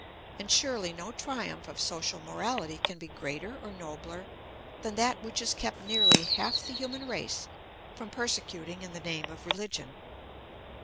And surely no triumph of social morahty can be greater or nobler than that which has kept nearly half the human race from persecuting in the name of religion.